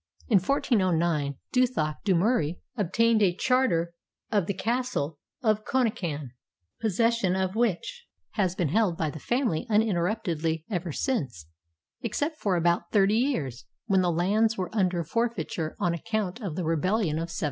In 1409 Duthac de Murie obtained a charter of the Castle of Connachan, possession of which has been held by the family uninterruptedly ever since, except for about thirty years, when the lands were under forfeiture on account of the Rebellion of 1715.